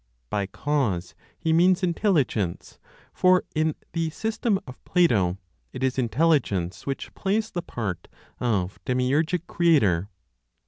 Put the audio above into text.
By cause, he means Intelligence; for, in the system of Plato, it is Intelligence which plays the part of demiurgic creator.